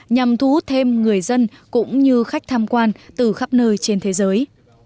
nhằm thu hút thêm người dân cũng như khách tham quan từ khắp nơi trên thế giới